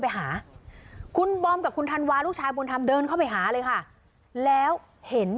ไม่อยากให้แม่เป็นอะไรไปแล้วนอนร้องไห้แท่ทุกคืน